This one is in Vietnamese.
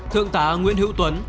thượng tá nguyễn hữu tuấn